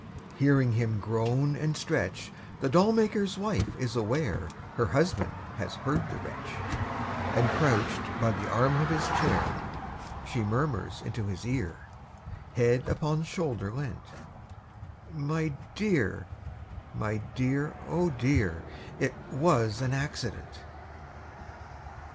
Hearing him groan and stretch The doll maker's wife is aware Her husband has heard the wretch, And crouched by the arm of his chair, She murmurs into his ear, Head upon shoulder leant: 'My dear, my dear, oh dear, It was an accident.'